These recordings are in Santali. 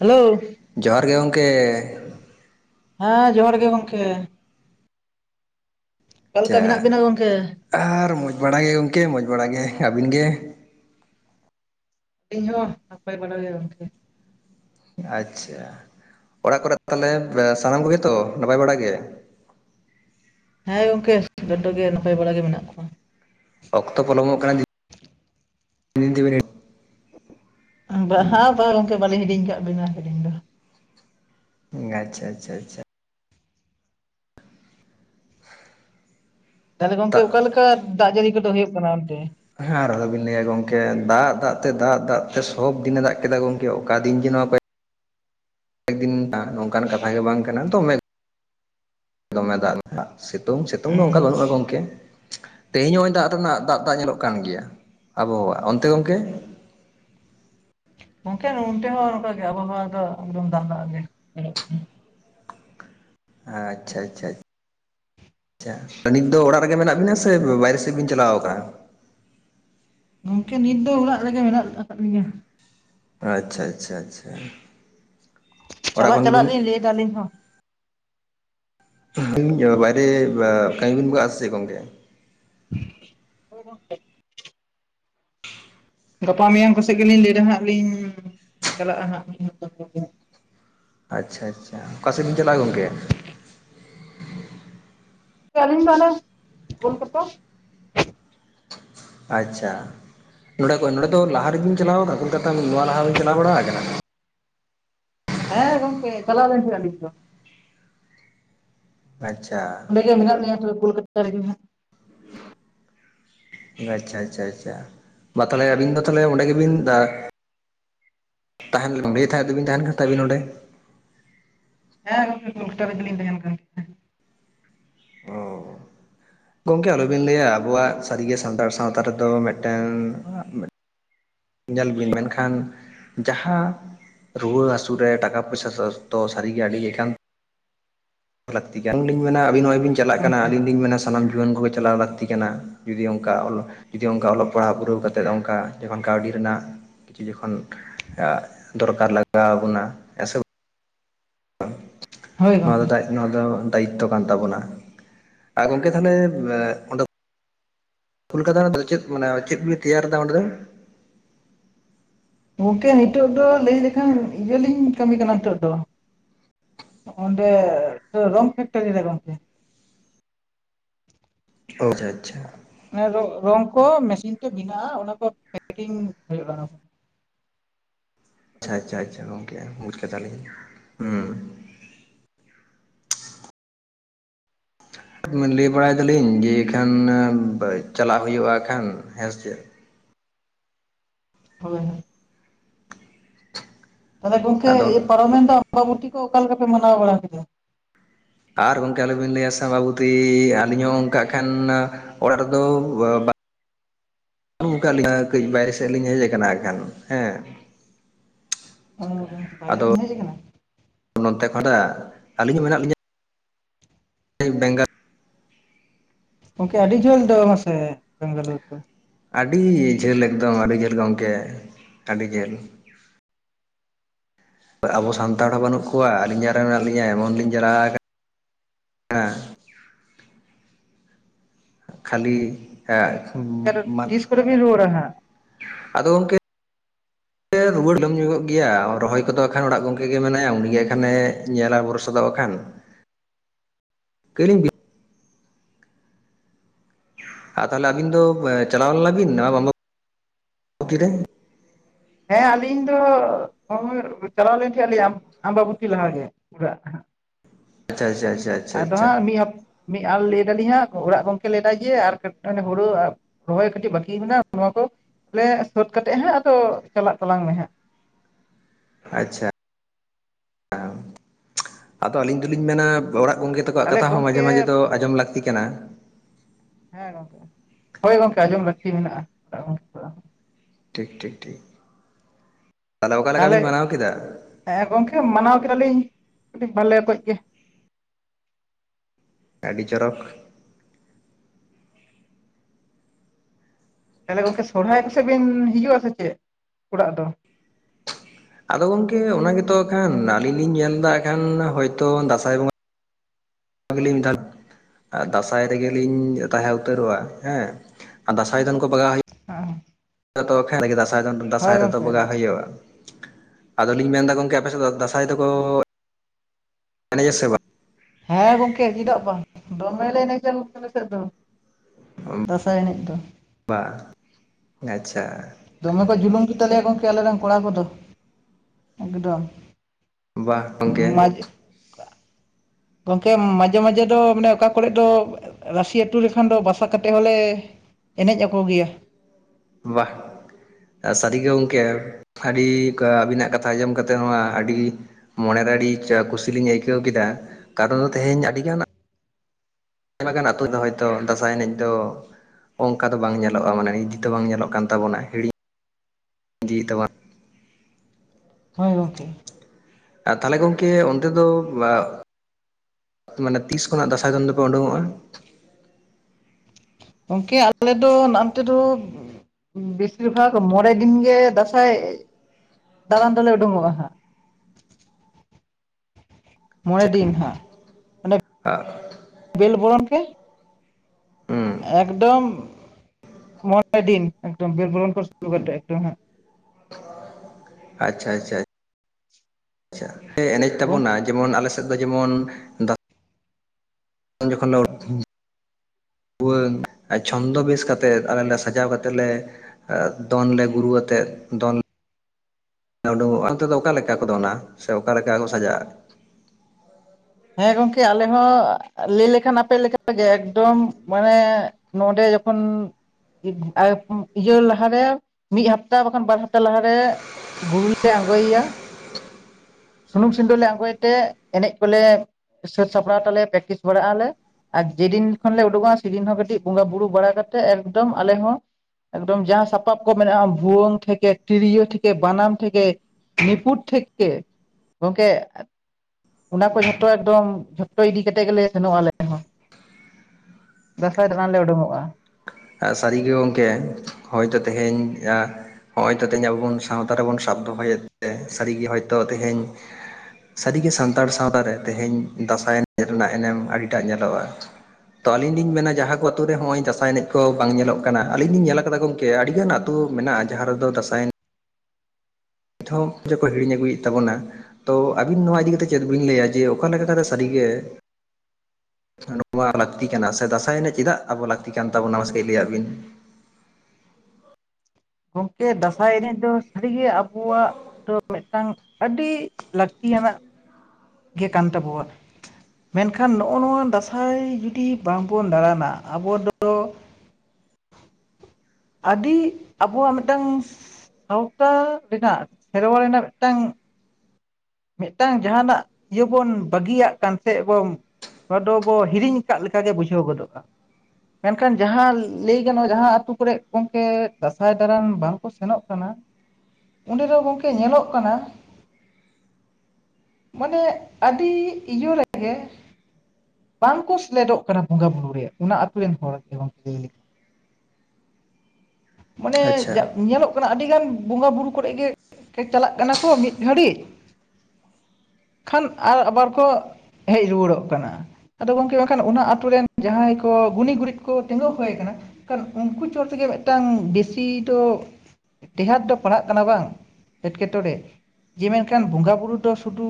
ᱦᱮᱞᱳᱣ᱾ ᱡᱚᱦᱟᱨ ᱜᱮ ᱜᱚᱝᱠᱮ᱾ ᱦᱮᱸ ᱡᱚᱦᱟᱨ ᱜᱮ ᱜᱚᱝᱠᱮ, ᱚᱠᱟ ᱞᱮᱠᱟ ᱟᱪᱪᱷᱟ ᱢᱮᱱᱟᱜ ᱵᱤᱱᱟ ᱜᱚᱝᱠᱮ? ᱟᱨ ᱢᱚᱡᱽ ᱵᱟᱲᱟ ᱜᱮ ᱜᱚᱝᱠᱮ ᱢᱚᱡᱽ ᱵᱟᱲᱟᱜᱮ, ᱟᱹᱵᱤᱱ ᱜᱮ? ᱤᱧ ᱦᱚᱸ ᱱᱟᱯᱟᱭ ᱵᱟᱲᱟ ᱜᱮ ᱜᱚᱝᱠᱮ ᱾ ᱟᱪᱪᱷᱟ, ᱚᱲᱟᱜ ᱠᱚᱨᱮ ᱫᱚ ᱛᱟᱦᱚᱞᱮ ᱥᱟᱱᱟᱢ ᱠᱚᱜᱮ ᱛᱚ ᱱᱟᱯᱟᱭ ᱵᱟᱲᱟ ᱜᱮ? ᱦᱮᱸ ᱜᱚᱝᱠᱮ ᱡᱷᱚᱛᱚ ᱜᱮ ᱱᱟᱯᱟᱭ ᱵᱟᱲᱟ ᱜᱮ ᱢᱮᱱᱟᱜ ᱠᱚᱣᱟ᱾ ᱚᱠᱛᱚ ᱯᱚᱞᱚᱢᱚᱜ ᱠᱟᱱᱟ [inaudible] ᱵᱟ ᱵᱟ ᱜᱚᱝᱠᱮ ᱵᱟᱞᱤᱧ ᱦᱤᱲᱤᱧ ᱠᱟᱫ ᱵᱤᱱᱟ ᱦᱤᱲᱤᱧ ᱫᱚ᱾ ᱟᱪᱪᱷᱟ ᱟᱪᱪᱷᱟ ᱟᱪᱪᱷᱟ᱾ [inaudible] ᱛᱟᱦᱚᱞᱮ ᱜᱚᱝᱠᱮ ᱫᱟᱜ ᱚᱠᱟ ᱞᱮᱠᱟ ᱫᱟᱜ ᱡᱟᱹᱲᱤ ᱠᱚᱫᱚ ᱦᱩᱭᱩᱜ ᱠᱟᱱᱟ ᱚᱱᱛᱮ? ᱦᱮᱸ ᱟᱞᱚ ᱵᱤᱱ ᱞᱟᱹᱭᱟ ᱜᱚᱝᱠᱮ ᱫᱟᱜ ᱫᱟᱜ ᱛᱮ ᱫᱟᱜ ᱫᱟᱜ ᱛᱮ ᱥᱚᱵ ᱫᱤᱱ ᱮ ᱫᱟᱜ ᱠᱮᱫᱟ ᱜᱚᱝᱠᱮ ᱚᱠᱟ ᱫᱤᱱ ᱡᱮ ᱱᱚᱣᱟ ᱮᱠ ᱫᱤᱱ ᱱᱚᱝᱠᱟᱱ ᱠᱟᱛᱷᱟ ᱜᱮ ᱵᱟᱝ ᱠᱟᱱᱟ [unintelligible] ᱫᱚᱢᱮ ᱫᱟᱜ ᱥᱮᱛᱳᱝ ᱥᱮᱛᱳᱝ ᱫᱚ ᱦᱩᱸ ᱚᱱᱠᱟ ᱵᱟᱹᱱᱩᱜ-ᱟ ᱜᱚᱝᱠᱮ᱾ ᱛᱮᱦᱤᱧ ᱱᱚᱜ-ᱚᱭ ᱫᱟᱜ ᱨᱮᱱᱟᱜ ᱫᱟᱜ ᱫᱟᱜ ᱧᱮᱞᱚᱜ ᱠᱟᱱ ᱜᱮᱭᱟ ᱟᱵᱚᱦᱟᱣᱟ ᱚᱱᱛᱮ ᱜᱚᱝᱠᱮ? ᱜᱚᱝᱠᱮ ᱱᱚᱱᱛᱮ ᱦᱚᱸ ᱱᱚᱝᱠᱟᱜᱮ ᱟᱵᱚᱦᱟᱣᱟ ᱫᱚ ᱮᱠᱫᱚᱢ ᱫᱟᱜ ᱫᱟᱜ ᱜᱮ [unintelligible] ᱟᱪᱪᱷᱟ ᱟᱪᱪᱷᱟ᱾ ᱟᱪᱪᱷᱟ ᱱᱤᱛ ᱫᱚ ᱚᱲᱟᱜ ᱨᱮᱜᱮ ᱢᱮᱱᱟᱜ ᱵᱤᱱᱟ ᱥᱮ ᱵᱟᱭᱨᱮ ᱥᱮᱫ ᱵᱤᱱ ᱪᱟᱞᱟᱣ ᱠᱟᱱᱟ? ᱜᱚᱝᱠᱮ ᱱᱤᱛ ᱫᱚ ᱚᱲᱟᱜ ᱨᱮᱜᱮ ᱢᱮᱱᱟᱜ ᱟᱠᱟᱫ ᱞᱤᱧ-ᱟ᱾ ᱟᱪᱪᱷᱟ ᱟᱪᱪᱷᱟ ᱟᱪᱪᱷᱟ᱾ ᱚᱲᱟᱜ ᱪᱟᱞᱟᱜ ᱪᱟᱞᱟᱜ ᱠᱷᱚᱱ ᱞᱤᱧ ᱞᱟᱹᱭ ᱫᱟ ᱟᱹᱞᱤᱧ ᱦᱚᱸ᱾ ᱵᱟᱭᱨᱮ ᱠᱟᱹᱢᱤ ᱵᱤᱱ ᱵᱟᱜᱟᱜ ᱥᱮ ᱜᱚᱝᱠᱮ? [unintelligible] ᱜᱟᱯᱟ ᱢᱮᱭᱟᱝ ᱠᱚᱥᱮᱫ ᱜᱮᱞᱤᱧ ᱞᱟᱹᱭ ᱫᱟ ᱦᱟᱸᱜ ᱞᱤᱧ ᱪᱟᱞᱟᱜ-ᱟ ᱦᱟᱸᱜ [unintelligible] ᱟᱪᱪᱷᱟ ᱟᱪᱪᱷᱟ ᱚᱠᱟ ᱥᱮᱫ ᱵᱤᱱ ᱪᱟᱞᱟᱜ-ᱟ ᱜᱚᱢᱠᱮ? ᱟᱹᱞᱤᱧ ᱫᱚ ᱟᱱᱮ ᱠᱚᱞᱠᱟᱛᱟ᱾ ᱟᱪᱪᱷᱟ ᱱᱚᱸᱰᱮ ᱠᱷᱚᱱ ᱱᱚᱸᱰᱮ ᱫᱚ ᱞᱟᱦᱟ ᱨᱮᱜᱮ ᱵᱤᱱ ᱪᱟᱞᱟᱣ ᱠᱳᱞᱠᱟᱛᱟ ᱱᱚᱣᱟ ᱞᱟᱦᱟ ᱵᱤᱱ ᱪᱟᱞᱟᱣ ᱵᱟᱲᱟ ᱠᱟᱱᱟ? ᱦᱮᱸ ᱜᱚᱝᱠᱮ ᱪᱟᱞᱟᱣ ᱞᱮᱱ ᱜᱮᱭᱟ ᱛᱚ᱾ ᱟᱪᱪᱷᱟ᱾ ᱚᱸᱰᱮ ᱜᱮ ᱢᱮᱱᱟᱜ ᱞᱤᱧᱭᱟ ᱛᱚᱵᱮ ᱠᱳᱞᱠᱟᱛᱟ ᱨᱮᱜᱮ ᱦᱟᱸᱜ᱾ ᱟᱪᱪᱷᱟ ᱟᱪᱪᱷᱟ ᱟᱪᱪᱷᱟ ᱢᱟ ᱛᱟᱦᱞᱮ ᱟᱵᱤᱱ ᱫᱚ ᱛᱟᱦᱚᱞᱮ ᱚᱸᱰᱮ ᱜᱮᱵᱤᱱ ᱛᱟᱦᱮᱱ ᱞᱟᱹᱭ ᱛᱟᱦᱮᱸ ᱫᱚᱵᱤᱱ ᱛᱟᱦᱮᱱ ᱠᱟᱱ ᱛᱟᱹᱵᱤᱱ ᱱᱚᱰᱮ? ᱦᱮᱸ ᱜᱚᱝᱠᱮ ᱠᱳᱞᱠᱟᱛᱟ ᱨᱮᱜᱮ ᱞᱤᱧ ᱛᱟᱦᱮᱱ ᱠᱟᱱ ᱛᱟᱦᱮᱫ᱾ ᱚᱻ ᱜᱚᱝᱠᱮ ᱟᱞᱚᱵᱤᱱ ᱞᱟᱹᱭᱟ ᱟᱵᱚᱣᱟᱜ ᱥᱟᱹᱨᱤᱜᱮ ᱥᱟᱱᱛᱟᱲ ᱥᱟᱶᱛᱟ ᱨᱮᱫᱚ ᱢᱤᱫᱴᱮᱱ [inaudible] ᱧᱮᱞ ᱵᱤᱱ ᱢᱮᱱᱠᱷᱟᱱ ᱡᱟᱦᱟᱸ ᱨᱩᱣᱟᱹ ᱦᱟᱹᱥᱩ ᱨᱮ ᱴᱟᱠᱟ ᱯᱚᱭᱥᱟ ᱥᱟᱥᱛᱚ ᱫᱚ ᱥᱟᱹᱨᱤᱜᱮ ᱟᱹᱰᱤ ᱮᱠᱟᱱ ᱞᱟᱹᱠᱛᱤ ᱠᱟᱱ ᱟᱹᱞᱤᱧ ᱞᱤᱧ ᱢᱮᱱᱟ ᱟᱵᱤᱱ ᱱᱚᱜ-ᱚᱭ ᱵᱤᱱ ᱪᱟᱞᱟᱜ ᱠᱟᱱᱟ ᱜᱚᱝᱠᱮ ᱟᱞᱤᱧ ᱞᱤᱧ ᱢᱮᱱᱟ ᱥᱟᱱᱟᱢ ᱡᱩᱭᱚᱱ ᱠᱚᱜᱮ ᱪᱟᱞᱟᱣ ᱞᱟᱹᱠᱛᱤ ᱠᱟᱱᱟ ᱡᱩᱫᱤ ᱚᱱᱠᱟ ᱚᱞ ᱡᱩᱫᱤ ᱚᱱᱠᱟ ᱚᱞᱚᱜ ᱯᱟᱲᱦᱟᱜ ᱯᱩᱨᱟᱹᱣ ᱠᱟᱛᱮᱫ ᱚᱱᱠᱟ ᱡᱚᱠᱷᱚᱱ ᱠᱟᱹᱣᱰᱤ ᱨᱮᱱᱟᱜ ᱠᱤᱪᱷᱩ ᱡᱚᱠᱷᱚᱱ ᱫᱚᱨᱠᱟᱨ ᱞᱟᱜᱟᱣ ᱵᱚᱱᱟ ᱦᱮ ᱥᱮ ᱦᱳᱭ ᱱᱚᱣᱟ ᱫᱚ ᱜᱚᱝᱠᱮ ᱱᱚᱣᱟ ᱫᱚ ᱫᱟᱭᱤᱛᱛᱚ ᱠᱟᱱ ᱛᱟᱵᱚᱱᱟ ᱟᱨ ᱜᱚᱢᱠᱮ ᱛᱟᱦᱚᱞᱮ ᱚᱸᱰᱮ ᱠᱳᱞᱠᱟᱛᱟ ᱨᱮᱫᱚ ᱚᱰᱮ ᱫᱚ ᱪᱮᱫ ᱢᱟᱱᱮ ᱪᱮᱫ ᱵᱤᱱ ᱛᱮᱭᱟᱨ ᱮᱫᱟ ᱚᱸᱰᱮ ᱫᱚ? ᱜᱚᱝᱠᱮ ᱱᱤᱛᱚᱜ ᱫᱚ ᱞᱟᱹᱭ ᱞᱮᱠᱷᱟᱱ ᱤᱭᱟᱹ ᱞᱤᱧ ᱠᱟᱹᱢᱤ ᱠᱟᱱᱟ ᱱᱤᱛᱚᱜ ᱫᱚ᱾ ᱚᱸᱰᱮ ᱨᱚᱝ ᱯᱷᱮᱠᱴᱚᱨᱤ ᱨᱮ ᱜᱚᱝᱠᱮ᱾ ᱟᱪᱪᱷᱟ ᱟᱪᱪᱷᱟ᱾ ᱨᱚᱝ ᱠᱚ ᱢᱮᱥᱤᱱ ᱛᱮ ᱵᱮᱱᱟᱜ-ᱟ ᱚᱱᱟ ᱠᱚ ᱯᱮᱠᱤᱝ ᱦᱩᱭᱩᱜ-ᱟ ᱚᱱᱟ ᱠᱚ᱾ ᱟᱪᱪᱷᱟ ᱟᱪᱪᱷᱟ ᱟᱪᱪᱷᱟ ᱜᱚᱝᱠᱮ ᱵᱩᱡᱽ ᱠᱟᱫᱟ ᱞᱤᱧ ᱦᱩᱸ᱾ ᱞᱟᱹᱭ ᱵᱟᱲᱟᱭ ᱫᱟᱞᱤᱧ ᱡᱮ ᱠᱷᱟᱱ ᱪᱟᱞᱟᱜ ᱦᱩᱭᱩᱜ-ᱟ ᱠᱷᱟᱱ ᱦᱮᱸᱥᱮ ᱪᱮᱫ? ᱦᱳᱭ, ᱛᱟᱦᱮ ᱜᱚᱢᱠᱮ ᱟᱫᱚ ᱯᱟᱨᱚᱢᱮᱱ ᱫᱚ ᱟᱢᱵᱟᱵᱩᱴᱤ ᱠᱚ ᱚᱠᱟ ᱞᱮᱠᱟ ᱯᱮ ᱢᱟᱱᱟᱣ ᱵᱟᱲᱟ ᱠᱮᱫᱮᱭᱟ? ᱟᱨ ᱜᱚᱝᱠᱮ ᱟᱞᱚᱵᱮᱱ ᱞᱟᱹᱭᱟ ᱥᱮ ᱟᱢᱵᱟᱹᱵᱩᱛᱤ ᱟᱹᱞᱤᱧ ᱦᱚᱸ ᱚᱱᱠᱟ ᱠᱷᱟᱱ ᱚᱲᱟᱜ ᱨᱮᱫᱚ ᱵᱟᱹᱱᱩᱜ ᱠᱟᱜ ᱞᱤᱧᱟᱹ ᱠᱟᱹᱡ ᱵᱟᱭᱨᱮ ᱥᱮᱫ ᱞᱤᱧ ᱦᱮᱡ ᱟᱠᱟᱱᱟ ᱟᱜᱠᱷᱟᱱ ᱦᱮᱸ᱾ ᱚ ᱵᱟᱭᱨᱮ ᱟᱫᱚ ᱵᱤᱱ ᱦᱮᱡ ᱠᱟᱱᱟ? ᱱᱚᱱᱛᱮ ᱠᱷᱚᱱᱟᱜ ᱟᱹᱞᱤᱧ ᱦᱚᱸ ᱢᱮᱱᱟᱜ ᱞᱤᱧᱟᱹ᱾ ᱵᱮᱝᱜᱟᱞ, ᱜᱚᱢᱠᱮ ᱟᱹᱰᱤ ᱡᱷᱟᱹᱞ ᱫᱚ ᱢᱟᱥᱮ ᱵᱮᱝᱜᱟᱞᱩᱨᱩ ᱫᱚ᱾ ᱟᱹᱰᱤ ᱡᱷᱟᱹᱞ ᱮᱠᱫᱚᱢ ᱟᱹᱰᱤ ᱡᱷᱟᱹᱞ ᱜᱚᱢᱠᱮ ᱟᱹᱰᱤ ᱡᱷᱟᱹᱞ ᱟᱵᱚ ᱥᱟᱱᱛᱟᱲ ᱦᱚᱸ ᱵᱟᱹᱱᱩᱜ ᱠᱚᱣᱟ ᱟᱹᱞᱤᱧ ᱡᱟᱦᱟᱸᱨᱮ ᱢᱮᱱᱟᱜ ᱞᱤᱧᱟᱹ ᱮᱢᱚᱱ ᱞᱤᱧ ᱡᱟᱞᱟ ᱟᱠᱟᱱᱟ᱾ ᱦᱮᱸ ᱠᱷᱟᱞᱤ ᱦᱮᱸ᱾ ᱱᱚᱛᱮᱨᱮ ᱢᱟ ᱛᱤᱥ ᱠᱚᱨᱮ ᱵᱤᱱ ᱨᱩᱣᱟᱹᱲᱟ ᱦᱟᱸᱜ? ᱟᱫᱚ ᱜᱚᱝᱠᱮ [inaudible] ᱨᱩᱣᱟᱹᱲ ᱵᱤᱞᱚᱢ ᱧᱚᱜᱚᱜ ᱜᱮᱭᱟ ᱨᱚᱦᱚᱭ ᱠᱚᱫᱚ ᱠᱷᱟᱱ ᱚᱲᱟᱜ ᱜᱚᱝᱠᱮ ᱜᱮ ᱢᱮᱱᱟᱭᱟ ᱩᱱᱤᱜᱮ ᱦᱟᱸᱜ ᱠᱷᱟᱱᱮ ᱧᱮᱞᱟ ᱵᱚᱨ ᱥᱚᱫᱚᱜ-ᱟ ᱠᱷᱟᱱ᱾ [unintelligible] ᱟᱨ ᱛᱟᱦᱞᱮ ᱟᱹᱵᱤᱱ ᱫᱚ ᱪᱟᱞᱟᱣ ᱞᱮᱱᱟ ᱵᱤᱱ [inaudible] ᱨᱮ? ᱦᱮᱸ ᱟᱞᱤᱧ ᱫᱚ ᱪᱟᱞᱟᱣ ᱞᱮᱱ ᱛᱟᱦᱮᱸᱜ ᱞᱤᱧ ᱟᱢᱵᱟᱵᱚᱛᱤ ᱞᱟᱦᱟᱜᱮ ᱚᱲᱟᱜ᱾ ᱟᱪᱷᱟ ᱟᱪᱷᱟ ᱟᱪᱷᱟ᱾ ᱟᱫᱚ ᱦᱟᱸᱜ ᱢᱤᱫ ᱦᱟᱯ ᱢᱤᱫ ᱟ ᱞᱟᱹᱭ ᱫᱟᱞᱤᱧ ᱦᱟᱸᱜ ᱚᱲᱟᱜ ᱜᱚᱝᱠᱮ ᱞᱟᱹᱭ ᱡᱮ ᱟᱨ ᱠᱟᱹ ᱚᱱᱮ ᱦᱩᱲᱩ ᱨᱚᱦᱚᱭ ᱠᱟᱹᱴᱤᱡ ᱵᱟᱠᱤ ᱢᱮᱱᱟᱜ-ᱟ ᱱᱚᱣᱟ ᱠᱚᱜᱮ ᱥᱟᱹᱛ ᱠᱟᱛᱮᱫ ᱦᱟᱸᱜ ᱟᱫᱚ ᱪᱟᱞᱟᱜ ᱛᱟᱞᱟᱝ ᱢᱮ ᱦᱟᱸᱜ᱾ ᱟᱪᱪᱷᱟ, ᱟᱫᱚ ᱟᱹᱞᱤᱧ ᱫᱚᱞᱤᱧ ᱢᱮᱱᱟ ᱚᱲᱟᱜ ᱜᱚᱝᱠᱮ ᱛᱟ ᱴᱠᱚᱣᱟᱜ ᱛᱟᱦᱚᱞᱮ ᱠᱟᱛᱷᱟ ᱦᱚᱸ ᱢᱟᱡᱷᱮ ᱜᱚᱝᱠᱮ ᱢᱟᱡᱷᱮ ᱫᱚ ᱟᱸᱡᱚᱢ ᱞᱟᱹᱠᱛᱤ ᱠᱟᱱᱟ᱾ ᱦᱮᱸ ᱜᱚᱝᱠᱮ, ᱦᱳᱭ ᱜᱚᱝᱠᱮ ᱟᱸᱡᱚᱢ ᱞᱟᱹᱠᱛᱤ ᱢᱮᱱᱟᱜ-ᱟ ᱚᱲᱟᱜ ᱜᱚᱝᱠᱮ᱾ ᱠᱚᱣᱟᱜ ᱦᱚᱸ᱾ ᱴᱷᱤᱠ ᱴᱷᱤᱠ ᱴᱷᱤᱠ, ᱛᱟᱦᱞᱮ ᱚᱠᱟᱞᱮᱠᱟ ᱛᱟᱦᱚᱞᱮ ᱵᱤᱱ ᱢᱟᱱᱟᱣ ᱠᱮᱫᱟ? ᱦᱮᱸ ᱜᱚᱝᱠᱮ ᱢᱟᱱᱟᱣ ᱠᱮᱫᱟᱞᱤᱧ ᱠᱟᱹᱴᱤᱡ ᱵᱷᱟᱞᱮ ᱚᱠᱚᱡ ᱜᱮ᱾ ᱟᱹᱰᱤ ᱪᱚᱨᱚᱠ᱾ ᱛᱟᱦᱞᱮ ᱜᱚᱝᱠᱮ ᱥᱚᱨᱦᱟᱭ ᱠᱚᱥᱮᱫ ᱵᱤᱱ ᱦᱤᱡᱩᱜ-ᱟ ᱥᱮ ᱪᱮᱫ ᱚᱲᱟᱜ ᱫᱚ? ᱟᱫᱚ ᱜᱚᱝᱠᱮ ᱚᱱᱟ ᱜᱮᱛᱚ ᱦᱟᱸᱜ ᱠᱷᱟᱱ ᱟᱹᱞᱤᱧ ᱞᱤᱧ ᱧᱮᱞᱫᱟ ᱦᱟᱸᱜ ᱠᱷᱟᱱ ᱦᱳᱭᱛᱳ ᱫᱟᱸᱟᱭ ᱵᱚᱸᱜᱟ ᱚᱜᱽᱞᱤᱧ ᱫᱟᱞ ᱟᱨ ᱫᱟᱸᱥᱟᱭ ᱨᱮᱜᱮᱞᱤᱧ ᱛᱟᱦᱮᱸ ᱩᱛᱟᱹᱨᱚᱜᱼᱟ ᱦᱮᱸ ᱟᱨ ᱫᱟᱸᱥᱟᱭ ᱫᱚᱱ ᱠᱚ ᱵᱟᱜᱟᱣ ᱦᱩᱭᱩᱜ ᱦᱩᱸ᱾ ᱡᱚᱛᱚ ᱜᱮ ᱦᱟᱸᱜ ᱠᱷᱟᱱ ᱫᱟᱸᱥᱟᱭ ᱫᱚᱱ ᱫᱟᱸᱥᱟᱭ ᱨᱮᱫᱚ ᱜᱚᱝᱠᱮ ᱵᱟᱜᱟᱜ ᱦᱩᱭᱩᱜ-ᱟ᱾ ᱟᱫᱚᱞᱤᱧ ᱢᱮᱱᱫᱟ ᱜᱚᱝᱠᱮ ᱟᱯᱮ ᱥᱮᱫ ᱫᱚ ᱫᱟᱸᱟᱭ ᱫᱚᱠᱚ [unintelligible] ᱥᱮ ᱵᱟᱝ? ᱦᱮᱸ ᱜᱚᱝᱠᱮ ᱪᱮᱫᱟᱜ ᱵᱟᱝ ᱫᱚᱢᱮ ᱞᱮ ᱮᱱᱮᱡᱟ ᱟᱞᱮ ᱥᱮᱫ ᱫᱚ᱾ ᱫᱟᱸᱥᱟᱭ ᱮᱱᱮᱡ ᱫᱚ᱾ ᱵᱟᱝ, ᱟᱪᱪᱷᱟ᱾ ᱫᱚᱢᱮ ᱠᱚ ᱡᱩᱞᱩᱢ ᱜᱮᱛᱟᱞᱮᱭᱟ ᱜᱚᱝᱠᱮ ᱟᱞᱮᱨᱮᱱ ᱠᱚᱲᱟ ᱠᱚᱫᱚ ᱮᱠᱫᱚᱢ᱾ ᱵᱟᱦ ᱜᱚᱝᱠᱮ᱾ ᱢᱟᱡᱮ ᱜᱚᱝᱠᱮ ᱢᱟᱡᱷᱮ ᱢᱟᱡᱷᱮ ᱫᱚ ᱢᱟᱱᱮ ᱚᱠᱟ ᱠᱚᱨᱮ ᱫᱚ ᱨᱟᱥᱤ ᱟᱛᱩ ᱞᱮᱠᱷᱟᱱ ᱫᱚ ᱵᱟᱥᱟ ᱠᱟᱛᱮᱜ ᱦᱚᱸᱞᱮ ᱮᱱᱮᱡ ᱟᱠᱚ ᱜᱮᱭᱟ᱾ ᱵᱟᱦ ᱟ, ᱥᱟᱹᱨᱤᱜᱮ ᱜᱚᱜᱠᱮ ᱟᱹᱰᱤ ᱟᱹᱵᱤᱱᱟᱜ ᱠᱟᱛᱷᱟ ᱟᱸᱡᱚᱢ ᱠᱟᱛᱮ ᱦᱚᱸ ᱟᱹᱰᱤ ᱢᱚᱱᱮᱨᱮ ᱟᱹᱰᱤ ᱪᱟ ᱠᱩᱥᱤ ᱞᱤᱧ ᱟᱹᱭᱠᱟᱹᱣ ᱠᱮᱫᱟ ᱠᱟᱨᱚᱱ ᱫᱚ ᱛᱮᱦᱮᱧ ᱟᱹᱰᱤ ᱜᱟᱱ ᱟᱭᱢᱟ ᱜᱟᱱ ᱟᱹᱛᱩ ᱫᱚ ᱦᱚᱭᱛᱳ ᱫᱟᱸᱥᱟᱭ ᱮᱱᱮᱡ ᱫᱚ ᱚᱝᱠᱟ ᱫᱚ ᱵᱟᱝ ᱧᱮᱞᱚᱜ-ᱟ ᱢᱟᱱᱮ [unintelligible] ᱫᱚ ᱵᱟᱝ ᱧᱮᱞᱚᱜ ᱠᱟᱱ ᱛᱟᱵᱚᱱᱟ ᱦᱤᱲᱤᱧ ᱤᱫᱤᱭ ᱛᱟᱵᱚᱱᱟ ᱦᱳᱭ ᱜᱚᱝᱠᱮ᱾ ᱟᱨ ᱛᱟᱦᱞᱮ ᱜᱚᱝᱠᱮ ᱚᱱᱛᱮ ᱫᱚ ᱵᱟ ᱢᱟᱱᱮ ᱛᱤᱥ ᱠᱷᱚᱱᱟᱜ ᱫᱟᱸᱥᱟᱭ ᱫᱚᱱ ᱫᱚᱯᱮ ᱩᱰᱩᱝᱚᱜ-ᱟ? ᱜᱚᱝᱠᱮ ᱟᱞᱮ ᱫᱚ ᱱᱟᱱᱛᱮ ᱫᱚ ᱵᱮᱥᱤᱨ ᱵᱷᱟᱜᱽ ᱢᱚᱬᱮ ᱫᱤᱱ ᱜᱮ ᱫᱟᱸᱥᱟᱭ ᱫᱟᱬᱟᱱ ᱫᱟᱞᱮ ᱩᱰᱩᱝᱚᱜ-ᱟ ᱦᱟᱸᱜ᱾ ᱢᱚᱬᱮ ᱫᱤᱱ ᱦᱟᱸᱜ᱾ ᱢᱟᱱᱮ [unintelligible] ᱵᱮᱞ ᱵᱚᱞᱚᱱ ᱯᱮ ᱦᱩᱸ ᱮᱠᱫᱚᱢ ᱢᱚᱬᱮ ᱫᱤᱱ ᱮᱠᱫᱚᱢ ᱵᱮᱞ ᱵᱚᱨᱚᱱ ᱠᱚ ᱥᱩᱨᱩ ᱠᱟᱛᱮᱫ ᱮᱠᱫᱚᱢ ᱦᱟᱸᱜ᱾ ᱟᱪᱪᱷᱟ ᱟᱪᱪᱷᱟ᱾ ᱟᱪᱪᱷᱟ, ᱯᱮ ᱮᱱᱮᱡ ᱛᱟᱵᱚᱱᱟ ᱜᱚᱝᱠᱮ ᱡᱮᱢᱚᱱ ᱟᱞᱮᱥᱮᱡ ᱫᱚ ᱡᱮᱢᱚᱱ ᱫᱟᱸ [unintelligible] ᱵᱷᱩᱣᱟᱹᱝ ᱪᱷᱚᱱᱫᱚ ᱵᱮᱥ ᱠᱟᱛᱮᱫ ᱟᱞᱮ ᱞᱮ ᱥᱟᱡᱟᱣ ᱠᱟᱛᱮᱫ ᱞᱮ ᱫᱚᱱ ᱞᱮ ᱜᱩᱨᱩ ᱟᱛᱮᱜ ᱫᱚᱱ ᱩᱰᱩᱝᱚᱜ-ᱟ ᱚᱱᱛᱮ ᱫᱚ ᱚᱠᱟ ᱞᱮᱠᱟ ᱠᱚ ᱫᱚᱱᱟ ᱥᱮ ᱚᱠᱟ ᱞᱮᱠᱟ ᱠᱚ ᱥᱟᱡᱟᱜ-ᱟ? ᱦᱮᱸ ᱜᱚᱝᱠᱮ ᱟᱞᱮ ᱦᱚᱸ ᱞᱟᱹᱭ ᱞᱮᱠᱷᱟᱱ ᱟᱯᱮ ᱞᱮᱠᱟᱜᱮ ᱮᱠᱫᱚᱢ ᱢᱟᱱᱮ ᱱᱚᱰᱮ ᱡᱚᱠᱷᱚᱱ ᱤᱫ ᱟᱜ ᱩᱢᱢ ᱤᱭᱟᱹ ᱞᱟᱦᱟᱨᱮ ᱢᱤᱫ ᱦᱟᱯᱛᱟ ᱵᱟᱠᱷᱟᱱ ᱵᱟᱨ ᱦᱟᱯᱛᱟ ᱞᱟᱦᱟᱨᱮ ᱜᱩᱨᱩ ᱞᱮ ᱟᱬᱜᱚᱭ ᱭᱟ ᱥᱩᱱᱩᱢ ᱥᱤᱸᱫᱩᱨ ᱞᱮ ᱟᱬᱜᱚᱭ ᱛᱮ ᱮᱱᱮᱡ ᱠᱚᱞᱮ ᱥᱟᱹᱛ ᱥᱟᱯᱲᱟᱣ ᱛᱟᱞᱮ ᱯᱨᱮᱠᱴᱤᱥ ᱵᱟᱲᱟᱜ ᱟᱞᱮ ᱟᱨ ᱡᱮᱫᱤᱱ ᱠᱷᱚᱱᱞᱮ ᱩᱰᱩᱝᱚᱜ-ᱟ ᱥᱮᱫᱤᱱ ᱦᱚᱸ ᱠᱟᱹᱴᱤᱡ ᱵᱚᱸᱜᱟ ᱵᱩᱨᱩ ᱵᱟᱲᱟ ᱠᱟᱛᱮ ᱮᱠᱫᱚᱢ ᱟᱞᱮ ᱦᱚᱸ ᱮᱠᱫᱚᱢ ᱡᱟᱦᱟᱸ ᱥᱟᱯᱟᱵ ᱠᱚ ᱢᱮᱱᱟᱜ-ᱟ ᱵᱷᱩᱣᱟᱹᱝ ᱛᱷᱮᱠᱮ, ᱛᱤᱨᱭᱳ ᱛᱷᱮᱠᱮ, ᱵᱟᱱᱟᱢ ᱛᱷᱮᱠᱮ, ᱱᱤᱯᱩᱨᱴ ᱛᱷᱮᱠ-ᱮ ᱜᱚᱝᱠᱮ ᱚᱱᱟ ᱠᱚ ᱡᱷᱚᱛᱚ ᱮᱠᱫᱚᱢ ᱡᱷᱚᱛᱚ ᱤᱫᱤ ᱠᱟᱛᱮᱜ ᱜᱮᱞᱮ ᱥᱮᱱᱚᱜ-ᱟ ᱟᱞᱮ ᱦᱚᱸ ᱫᱟᱸᱥᱟᱭ ᱫᱟᱲᱟᱱ ᱞᱮ ᱩᱰᱩᱝᱚᱜ-ᱟ᱾ ᱥᱟᱹᱨᱤᱜᱮ ᱜᱚᱝᱠᱮ ᱦᱚᱭᱛᱚ ᱛᱮᱦᱮᱧ ᱟ ᱦᱚᱜ-ᱚᱭ ᱛᱚ ᱛᱮᱦᱧ ᱟᱵᱚᱵᱚᱱ ᱥᱟᱶᱛᱟ ᱨᱮᱵᱚᱱ ᱥᱟᱵ ᱫᱚᱦᱚᱭᱮᱫ ᱛᱮ ᱥᱟᱹᱨᱤᱜᱮ ᱦᱚᱭᱛᱚ ᱛᱮᱦᱮᱧ ᱥᱟᱹᱨᱤᱜᱮ ᱥᱟᱱᱛᱟᱲ ᱥᱟᱶᱛᱟᱨᱮ ᱛᱮᱦᱮᱧ ᱫᱟᱸᱥᱟᱭ ᱮᱱᱮᱡ ᱨᱮᱱᱟᱜ ᱮᱱᱮᱢ ᱟᱹᱰᱤᱴᱟᱜ ᱧᱮᱞᱚᱜ-ᱟ᱾ ᱛᱚ ᱟᱹᱞᱤᱧ ᱞᱤᱧ ᱢᱮᱱᱟ ᱡᱟᱦᱟᱸ ᱠᱚ ᱟᱛᱩ ᱦᱚᱜ ᱚᱭ ᱫᱟᱥᱟᱭ ᱮᱱᱮᱡ ᱠ ᱛᱚ ᱵᱟᱝ ᱧᱮᱞᱚᱜ ᱠᱟᱱᱟ ᱟᱞᱤᱧ ᱞᱤᱧ ᱧᱮᱞ ᱠᱟᱫᱟ ᱜᱚᱝᱠᱮ ᱟᱹᱰᱤ ᱜᱟᱱ ᱟᱹᱛᱩᱳ ᱦᱚ ᱢᱮᱱᱟᱜ-ᱟ ᱡᱟᱦᱟᱸ ᱨᱮᱫᱚ ᱫᱚ ᱫᱟᱸᱥᱟᱭ ᱮ ᱱᱤᱛ ᱦᱚᱸ ᱦᱚᱸᱠᱚ ᱦᱤᱲᱤᱧ ᱟᱹᱜᱩᱭᱮᱫ ᱛᱟᱵᱚᱱᱟ ᱛᱚ ᱟᱵᱤᱱ ᱱᱚᱣᱟ ᱤᱫᱤᱠᱟ ᱠᱟᱛᱮᱜ ᱪᱮᱫ ᱵᱤᱱ ᱞᱟᱹᱭᱟ ᱡᱮ ᱚᱠᱟ ᱞᱮᱠᱟ ᱠᱟᱛᱮ ᱥᱟᱹᱨᱤᱜᱮ ᱟᱪᱷᱟ ᱱᱚᱣᱟ ᱞᱟᱹᱠᱛᱤ ᱠᱟᱱᱟ ᱥᱮ ᱫᱟᱸᱥᱟᱭ ᱮᱱᱮᱡ ᱪᱮᱫᱟᱜ ᱟᱵᱚ ᱞᱟᱹᱠᱛᱤ ᱠᱟᱱ ᱛᱟᱵᱚᱱᱟ? ᱢᱟᱥᱮ ᱞᱟᱹᱫ ᱟᱜ ᱵᱤᱱ ᱜᱚᱝᱠᱮ ᱫᱟᱸᱥᱟᱭ ᱮᱱᱮᱡ ᱫᱚ ᱥᱟᱹᱨᱤᱜᱮ ᱟᱵᱚᱣᱟᱜ ᱫᱚ ᱢᱮᱫᱴᱟᱝ ᱟᱹᱰᱤ ᱞᱟᱹᱠᱛᱤᱭ ᱟᱱᱟᱜ ᱜᱮ ᱠᱟᱱ ᱛᱟᱵᱚᱣᱟ ᱢᱮᱱᱠᱷᱟᱱ ᱱᱚᱜᱚ ᱱᱚᱣᱟ ᱫᱟᱸᱥᱟᱭ ᱡᱩᱫᱤ ᱵᱟᱝᱵᱚᱱ ᱫᱟᱬᱟᱱᱟ ᱟᱵᱚ ᱫᱚ ᱟᱹᱰᱤ ᱟᱵᱚᱣᱟᱜ ᱢᱮᱫᱴᱟᱝ ᱥᱟᱶᱛᱟ ᱨᱮᱱᱟᱜ ᱥᱮᱨᱣᱟ ᱨᱮᱱᱟᱜ ᱢᱮᱫᱴᱟᱝ ᱢᱮᱫᱴᱟᱝ ᱡᱟᱦᱟᱱᱟᱜ ᱤᱭᱟᱹ ᱵᱚᱱ ᱵᱟᱹᱜᱤᱭᱟᱜ ᱠᱟᱱ ᱛᱮᱜ ᱵᱚᱱ ᱱᱚᱣᱟ ᱫᱚ ᱵᱚ ᱦᱤᱨᱤᱧ ᱠᱟᱫ ᱞᱮᱠᱟᱜ ᱜᱮ ᱵᱩᱡᱷᱟᱹᱣ ᱜᱚᱫᱚᱜ-ᱟ᱾ ᱢᱮᱱᱠᱷᱟᱱ ᱡᱟᱦᱟᱸ ᱞᱟᱹᱭ ᱜᱟᱱᱚᱜ-ᱟ ᱡᱟᱦᱟᱸ ᱟᱛᱩ ᱠᱚᱨᱮ ᱜᱚᱝᱠᱮ ᱫᱟᱸᱥᱟᱭ ᱫᱟᱨᱟᱱ ᱵᱟᱝ ᱠᱚ ᱥᱮᱱᱚᱜ ᱠᱟᱱᱟ ᱚᱸᱰᱮ ᱫᱚ ᱜᱚᱝᱠᱮ ᱧᱮᱞᱚᱜ ᱠᱟᱱᱟ ᱢᱟᱱᱮ ᱟᱹᱰᱤ ᱤᱭᱟᱹ ᱨᱮᱜᱮ ᱵᱟᱝᱠᱚ ᱥᱮᱞᱮᱰᱚᱜ ᱠᱟᱱᱟ ᱵᱚᱸᱜᱟ ᱵᱩᱨᱩ ᱨᱮ ᱚᱱᱟ ᱟᱛᱩ ᱨᱮᱱ ᱦᱚᱲ ᱢᱟᱱᱮ ᱟᱪᱪᱷᱟ ᱡᱟᱜ ᱧᱮᱞᱚᱜ ᱠᱟᱱᱟ ᱟᱹᱰᱤᱜᱟᱱ ᱵᱚᱸᱜᱟ ᱵᱩᱨᱩ ᱠᱚᱨᱮᱜ ᱜᱮ ᱪᱟᱞᱟᱜ ᱠᱟᱱᱟ ᱠᱚ ᱢᱤᱫ ᱜᱷᱟᱹᱲᱤᱡ ᱠᱷᱟᱱ ᱟᱨ ᱟᱵᱟᱨ ᱠᱚ ᱦᱮᱡ ᱨᱩᱣᱟᱹᱲᱚᱜ ᱠᱟᱱᱟ, ᱟᱫᱚ ᱜᱚᱝᱠᱮ ᱢᱮᱱᱠᱷᱟᱱ ᱚᱱᱟ ᱟᱛᱩ ᱨᱮᱱ ᱡᱟᱦᱟᱸᱭ ᱠᱚ ᱜᱩᱱᱤ ᱜᱩᱨᱤᱵ ᱠᱚ ᱛᱤᱸᱜᱩ ᱦᱩᱭ ᱠᱟᱱᱟ ᱠᱟᱬ ᱩᱱᱠᱩ ᱪᱚᱨ ᱛᱮᱜᱮ ᱢᱤᱫᱴᱟᱱ ᱵᱮᱥᱤ ᱰᱚ ᱴᱮᱦᱟᱴ ᱫᱚ ᱯᱟᱲᱦᱟᱜ ᱠᱟᱱᱟ ᱵᱟᱝ ᱮᱸᱴᱠᱮᱴᱚᱨᱮ, ᱡᱮ ᱢᱮᱱᱠᱟᱱ ᱵᱚᱸᱜᱟ ᱵᱩᱨᱩ ᱫᱚ ᱥᱩᱰᱩ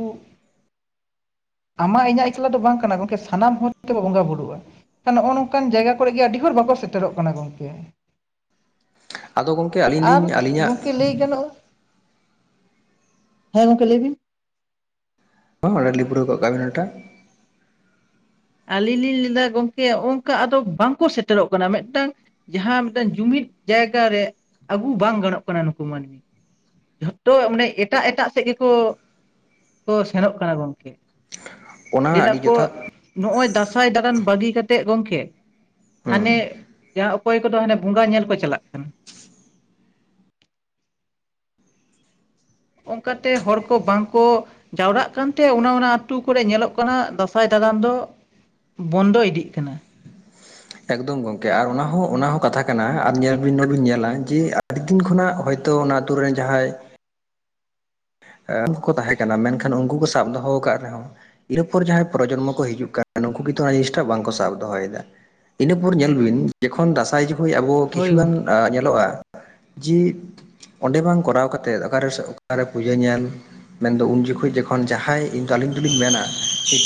ᱟᱢᱟᱜ ᱤᱧᱟᱹᱜ ᱮᱠᱞᱟ ᱫᱚ ᱵᱟᱝ ᱠᱟᱱᱟ ᱜᱚᱝᱠᱮ ᱥᱟᱱᱟᱢ ᱦᱚᱲᱛᱮ ᱵᱚ ᱵᱚᱸᱜᱟ ᱵᱩᱨᱩᱜ-ᱟ᱾ ᱱᱚᱜ-ᱚ ᱱᱚᱝᱠᱟᱱ ᱡᱟᱭᱜᱟ ᱠᱚᱨᱮᱜ ᱜᱮ ᱟᱹᱰᱤ ᱦᱚᱨ ᱵᱟᱠᱚ ᱥᱮᱴᱮᱨᱚᱜ ᱠᱟᱱᱟ ᱜᱚᱝᱠᱮ, ᱟᱫᱚ ᱜᱚᱝ ᱟᱨ ᱜᱚᱝᱠᱮ ᱞᱟᱹᱭ ᱜᱟᱱᱚᱜ-ᱟ ᱦᱮᱸ ᱜᱚᱝᱠᱮ ᱞᱟᱹᱭ ᱵᱤᱱ ᱦᱚᱸ ᱞᱮᱯᱩᱨᱟᱹᱣ ᱜᱚᱜ ᱠᱟᱜ ᱵᱤᱱ ᱚᱱᱟᱴᱟᱜ, ᱟᱹᱞᱤᱧ ᱞᱤᱧ ᱞᱟᱹᱭᱫᱟ ᱜᱚᱝᱠᱮ ᱚᱝᱠᱟ ᱟᱫᱚ ᱵᱟᱝᱠᱚ ᱥᱮᱴᱮᱨᱚᱜ ᱠᱟᱱᱟ ᱢᱮᱫᱴᱟᱝ ᱡᱟᱦᱟ ᱢᱮᱴᱟᱝ ᱡᱩᱢᱤᱫ ᱡᱟᱭᱜᱟ ᱨᱮ ᱟᱹᱜᱩ ᱵᱟᱝ ᱜᱟᱱᱚᱜ ᱠᱟᱱᱟ ᱱᱩᱠᱩ ᱢᱟᱱᱢᱤ᱾ ᱡᱷᱚᱛᱚ ᱢᱟᱱᱮ ᱮᱴᱟᱜ ᱮᱴᱟᱜ ᱥᱮᱫ ᱜᱮᱠᱚ ᱠᱚ ᱥᱮᱱᱚᱜ ᱠᱟᱱᱟ ᱜᱚᱝᱠᱮ ᱚᱱᱟ ᱞᱟᱹᱭᱫᱟ ᱟᱹᱰᱤ ᱠᱚ ᱡᱚᱛᱷᱟᱛ ᱱᱚᱜ-ᱚᱭ ᱫᱟᱸᱥᱟᱭ ᱫᱟᱬᱟᱱ ᱵᱟᱹᱜᱤ ᱠᱟᱛᱮᱜ ᱜᱚᱝᱠᱮ ᱦᱟᱱᱮ ᱦᱩᱸ ᱡᱟᱦᱟ ᱚᱠᱚᱭ ᱠᱚᱫᱚ ᱦᱟᱱᱮ ᱵᱚᱸᱜᱟ ᱧᱮᱞ ᱠᱚ ᱪᱟᱞᱟᱜ ᱠᱟᱱᱟ ᱚᱱᱠᱟᱛᱮ ᱦᱚᱲ ᱠᱚ ᱵᱟᱝᱠᱚ ᱡᱟᱣᱨᱟᱜ ᱠᱟᱱᱛᱮ ᱚᱱᱟ ᱚᱱᱟ ᱟᱛᱩ ᱠᱚᱨᱮ ᱧᱮᱞᱚᱜ ᱠᱟᱱᱟ ᱫᱟᱸᱥᱟᱭ ᱫᱟᱲᱟᱱ ᱫᱚ ᱵᱚᱱᱫᱚ ᱤᱫᱤᱜ ᱠᱟᱱᱟ ᱮᱠ ᱫᱚᱢ ᱜᱚᱢᱠᱮ ᱟᱨ ᱚᱱᱟ ᱦᱚᱸ ᱚᱱᱟ ᱦᱚᱸ ᱠᱟᱛᱷᱟ ᱠᱟᱱᱟ ᱟᱨ ᱧᱮᱞ ᱵᱤᱱ ᱱᱚᱰᱮᱵᱤᱱ ᱧᱮᱞᱟ ᱡᱮ ᱟᱹᱰᱤ ᱫᱤᱱ ᱠᱷᱚᱱᱟᱜ ᱦᱚᱭ ᱛᱚ ᱚᱱᱟ ᱟᱹᱛᱩ ᱨᱮᱱ ᱡᱟᱦᱟᱸᱭ ᱩᱱᱠᱩ ᱠᱚ ᱛᱟᱦᱮᱸ ᱠᱟᱱᱟ ᱢᱮᱱᱠᱷᱟᱱ ᱩᱱᱠᱩ ᱠᱚ ᱥᱟᱵ ᱫᱚᱦᱚ ᱠᱟᱫ ᱨᱮ ᱦᱚᱸ ᱤᱱᱟᱹᱯᱚᱨ ᱡᱟᱦᱟᱸᱭ ᱯᱨᱚᱡᱚᱱᱢᱚ ᱠᱚ ᱦᱤᱡᱩᱜ ᱠᱟᱱ ᱱᱩᱠᱩ ᱜᱮ ᱛᱚ ᱚᱱᱟ ᱡᱤᱱᱤᱥ ᱴᱟᱜ ᱵᱟᱝ ᱠᱚ ᱥᱟᱵ ᱫᱚᱦᱚᱭᱮᱫᱟ ᱤᱱᱟᱹᱯᱚᱨ ᱧᱮᱞ ᱵᱤᱱ ᱡᱚᱠᱷᱚᱱ ᱫᱟᱸᱟᱭ ᱡᱚᱠᱷᱚᱡ ᱟᱵᱚ ᱦᱳᱭ ᱠᱤᱪᱷᱩᱜᱟᱱ ᱜᱚᱝᱠᱮ ᱧᱮᱞᱚᱜᱼᱟ ᱡᱮ ᱚᱸᱰᱮ ᱵᱟᱝ ᱠᱚᱨᱟᱣ ᱠᱟᱛᱮᱫ ᱚᱠᱟᱨᱮ ᱚᱠᱟᱨᱮ ᱯᱩᱡᱟᱹ ᱧᱮᱞ ᱢᱮᱱ ᱫᱚ ᱩᱱ ᱡᱚᱠᱷᱚᱡ ᱡᱚᱠᱷᱚᱱ ᱡᱟᱸᱦᱟᱸᱭ ᱤᱧᱫᱚ ᱟᱹᱞᱤᱧ ᱫᱩᱞᱤᱧ ᱢᱮᱱᱟ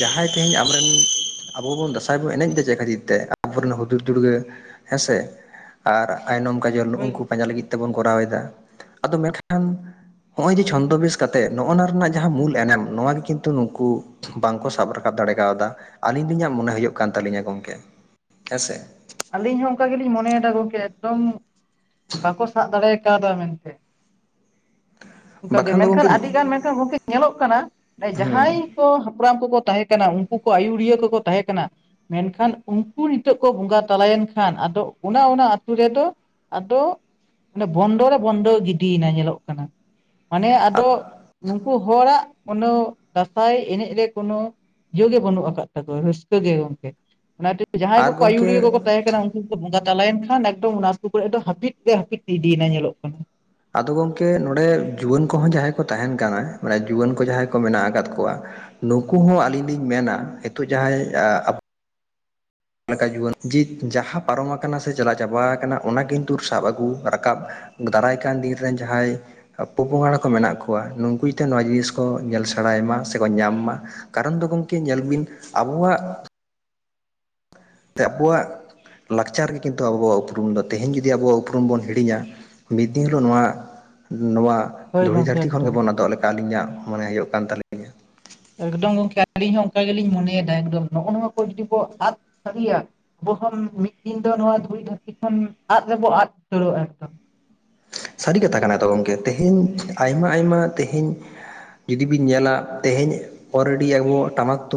ᱡᱟᱦᱟᱸᱭ ᱛᱮᱦᱮᱧ ᱟᱢᱨᱮᱱ ᱟᱵᱚ ᱵᱚᱱ ᱫᱟᱸᱥᱟᱭ ᱵᱚᱱ ᱮᱱᱮᱡ ᱫᱟ ᱪᱮᱫ ᱠᱷᱟᱹᱛᱤᱨ ᱛᱮ ᱟᱵᱚᱨᱮᱱ ᱦᱩᱫᱩᱲᱼ ᱫᱩᱨᱜᱟᱹ ᱦᱮᱸᱥᱮ ᱟᱨ ᱟᱭᱱᱚᱢ ᱠᱟᱡᱚᱞ ᱦᱳᱭ ᱱᱩᱜᱠᱩ ᱜᱚᱝᱠᱮ ᱯᱟᱸᱡᱟ ᱞᱟᱹᱜᱤᱫ ᱛᱮᱵᱚᱱ ᱠᱚᱨᱟᱣ ᱮᱫᱟ ᱟᱫᱚ ᱢᱮᱱᱠᱷᱟᱱ ᱦᱚᱜᱼᱚᱭ ᱡᱮ ᱪᱷᱚᱸᱱᱫᱚ ᱵᱮᱥ ᱠᱟᱛᱮᱜ ᱱᱚᱜᱼᱱᱟᱜ ᱨᱮᱱᱟᱜ ᱡᱟᱦᱟᱸ ᱢᱩᱞ ᱮᱱᱮᱢ ᱱᱚᱣᱟ ᱜᱮ ᱠᱤᱱᱛᱩ ᱱᱩᱠᱩ ᱵᱟᱝᱠᱚ ᱥᱟᱵ ᱨᱟᱠᱟᱵ ᱫᱟᱲᱮ ᱠᱟᱣᱫᱟ ᱟᱹᱞᱤᱧ ᱞᱤᱧᱟᱜ ᱢᱚᱱᱮ ᱦᱩᱭᱩᱜ ᱠᱟᱱ ᱛᱟᱞᱤᱧᱟ ᱜᱚᱢᱠᱮ ᱦᱮᱸᱥᱮ ᱟᱹᱞᱤᱧ ᱦᱚᱸ ᱚᱱᱠᱟ ᱜᱮᱞᱤᱧ ᱢᱚᱱᱮᱭᱮᱫᱟ ᱜᱚᱢᱠᱮ ᱮᱠᱫᱚᱢ ᱵᱟᱠᱚ ᱥᱟᱵ ᱫᱟᱲᱮ ᱠᱟᱣᱫᱟ ᱢᱮᱱᱛᱮ ᱚᱱ ᱠᱟᱜᱮ ᱵᱟᱠᱷᱟᱱ ᱫᱚ ᱢᱮᱱᱠᱷᱟᱱ ᱜᱚᱢᱠᱮ ᱦᱮᱸ ᱟᱹᱰᱤ. ᱜᱟᱱ ᱢᱮᱱᱠᱷᱟᱱ ᱜᱚᱢᱠᱮ ᱧᱮᱞᱚᱜ ᱠᱟᱱᱟ ᱡᱟᱦᱟᱸᱭ [unintelligible] ᱦᱟᱯᱲᱟᱢ ᱠᱚ ᱠᱚ ᱛᱟᱦᱮᱸ ᱠᱟᱱᱟ ᱩᱱᱠᱩ ᱠᱚ ᱟᱹᱭᱩᱨᱤᱭᱟᱹ ᱠᱚ ᱠᱚ ᱛᱟᱦᱮᱸ ᱠᱟᱱᱟ ᱢᱮᱱᱠᱷᱟᱱ ᱩᱱᱠᱩ ᱱᱤᱛᱚᱜ ᱠᱚ ᱵᱚᱸᱜᱟ ᱛᱟᱞᱟᱭᱮᱱ ᱠᱷᱟᱱ ᱟᱫᱚ ᱚᱱᱟ ᱚᱱᱟ ᱟᱹᱛᱩ ᱨᱮ ᱫᱚ ᱟᱫᱚ ᱚᱰᱮ ᱵᱚᱱᱫᱚ ᱨᱮ ᱵᱚᱱᱫᱚ ᱜᱤᱰᱤᱭᱮᱱᱟ ᱧᱮᱞᱚᱜ ᱠᱟᱱᱟ ᱢᱟᱱᱮ ᱟᱫᱚ ᱱᱩᱠᱩ ᱦᱚᱲᱟᱜ ᱠᱚᱱᱳ ᱫᱟᱸᱥᱟᱭ ᱮᱱᱮᱡ ᱨᱮ ᱠᱚᱱᱳ ᱤᱭᱟᱹ ᱜᱮ ᱵᱟᱹᱱᱩᱜ ᱟᱠᱟᱫ ᱛᱟᱠᱚᱣᱟ ᱨᱟᱹᱥᱠᱟᱹ ᱜᱮ ᱜᱚᱢᱠᱮ ᱚᱱᱟ ᱠᱷᱟᱹᱛᱤᱨ ᱡᱟᱦᱟᱸᱭ ᱠᱚ ᱟᱨ ᱠᱚ ᱟᱹᱭᱩᱨᱤᱭᱟᱹ ᱠᱚ ᱜᱚᱢᱠᱮ ᱠᱚ ᱛᱟᱦᱮᱸ ᱠᱟᱱᱟ ᱩᱱᱠᱩ ᱠᱚ ᱵᱚᱸᱜᱟ ᱛᱟᱞᱟᱭᱮᱱ ᱠᱷᱟᱱ ᱮᱠᱚᱫᱚᱢ ᱚᱱᱟ ᱟᱹᱛᱩ ᱠᱚ ᱨᱮ ᱫᱚ ᱦᱟᱹᱯᱤᱫ ᱜᱮ ᱦᱟᱹᱯᱤᱫ ᱤᱫᱤᱭᱮᱱᱟ ᱧᱮᱞᱚᱜ ᱠᱟᱱᱟ ᱟᱫᱚ ᱜᱚᱢᱠᱮ ᱱᱚᱸᱰᱮ ᱡᱩᱣᱟᱹᱱ ᱠᱚᱦᱚᱸ ᱡᱟᱦᱟᱸᱭ ᱠᱚ ᱛᱟᱦᱮᱱ ᱠᱟᱱᱟ ᱢᱟᱱᱮ ᱡᱩᱣᱟᱹᱱ ᱠᱚ ᱡᱟᱦᱟᱸᱭ ᱠᱚ ᱢᱮᱱᱟᱜ ᱟᱠᱟᱫ ᱠᱚᱣᱟ ᱱᱩᱠᱩ ᱦᱚᱸ ᱟᱹᱞᱤᱧ ᱞᱤᱧ ᱢᱮᱱᱟ ᱱᱤᱛᱚᱜ ᱡᱟᱦᱟᱸᱭ ᱟ ᱞᱮᱠᱟ ᱡᱩᱭᱟᱹᱱ ᱡᱤ ᱡᱟᱦᱟᱸ ᱯᱟᱨᱚᱢ ᱟᱠᱟᱱᱟ ᱥᱮ ᱪᱟᱞᱟ ᱪᱟᱵᱟᱣ ᱠᱟᱱᱟ ᱚᱱᱟ ᱠᱤᱱᱛᱩ ᱥᱟᱵ ᱟᱹᱜᱩ ᱨᱟᱠᱟᱵ ᱫᱟᱨᱟᱭ ᱠᱟᱱ ᱫᱤᱱ ᱨᱮᱱ ᱡᱟᱦᱟᱸᱭ ᱯᱩ ᱯᱚᱝᱲᱟ ᱠᱚ ᱢᱮᱱᱟᱜ ᱠᱚᱣᱟ ᱱᱩᱠᱩ ᱡᱟᱛᱮ ᱱᱚᱣᱟ ᱡᱤᱱᱤᱥ ᱠᱚ ᱧᱮᱞ ᱥᱮᱬᱟᱭ ᱢᱟ ᱥᱮᱠᱚ ᱧᱟᱢ ᱢᱟ ᱠᱟᱨᱚᱱ ᱫᱚ ᱜᱚᱢᱠᱮ ᱧᱮᱞ ᱵᱤᱱ ᱟᱵᱚᱣᱟᱜ ᱟᱵᱚᱣᱟᱜ ᱞᱟᱠᱪᱟᱨ ᱜᱮ ᱠᱤᱱᱛᱩ ᱟᱵᱚᱣᱟᱜ ᱩᱯᱨᱩᱢ ᱫᱚ ᱛᱮᱦᱮᱧ ᱡᱩᱫᱤ ᱟᱵᱚᱣᱟᱜ ᱩᱯᱨᱩᱢ ᱵᱚᱱ ᱦᱤᱲᱤᱧᱟ ᱢᱤᱫ ᱫᱤᱱ ᱦᱤᱞᱳᱜ ᱱᱚᱣᱟ ᱱᱚᱣᱟ ᱦᱳᱭ ᱫᱷᱩᱲᱤ ᱜᱚᱝᱠᱮ ᱫᱷᱟᱹᱨᱛᱤ ᱠᱷᱚᱱ ᱮᱠᱫᱚᱢ ᱜᱮᱵᱚᱱ ᱟᱫᱚᱜ ᱞᱮᱠᱟ ᱟᱹᱞᱤᱧᱟᱜ ᱢᱟᱱᱮ ᱦᱩᱭᱩᱜ ᱠᱟᱱ ᱛᱟᱞᱤᱧᱟ ᱮᱠ ᱫᱚᱢ ᱜᱚᱢᱠᱮ ᱟᱹᱞᱤᱧ ᱦᱚᱸ ᱚᱱᱠᱟ ᱜᱮᱞᱤᱧ ᱢᱚᱱᱮᱭᱫᱟ ᱮᱠ ᱫᱚᱢ ᱱᱚᱜᱼᱚ ᱱᱚᱣᱟ ᱠᱚ ᱡᱩᱫᱤ ᱠᱚ ᱟᱫ ᱥᱟᱹᱨᱤᱭᱟ ᱟᱵᱚ ᱦᱚᱸ ᱢᱤᱫ ᱫᱤᱱ ᱫᱚ ᱱᱚᱣᱟ ᱫᱷᱩᱲᱤ ᱫᱷᱟᱹᱨᱛᱤ ᱠᱷᱚᱱ ᱟᱫ ᱨᱮᱵᱚ ᱟᱫ ᱩᱛᱟᱹᱨᱚᱜᱼᱟ ᱮᱠ ᱫᱚᱢ ᱥᱟᱹᱨᱤ ᱠᱟᱛᱷᱟ ᱠᱟᱱᱟ ᱛᱚ ᱜᱚᱢᱠᱮ ᱛᱮᱦᱮᱧ ᱟᱭᱢᱟ ᱟᱭᱢᱟ ᱛᱮᱦᱮᱧ ᱡᱩᱫᱤ ᱵᱤᱱ ᱧᱮᱞᱟ ᱛᱮᱦᱮᱧ ᱚᱞ ᱨᱮᱰᱤ ᱟᱵᱚᱣᱟᱜ ᱴᱟᱢᱟᱠ ᱛᱩᱢ